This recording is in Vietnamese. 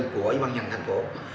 của ủy ban nhân thành phố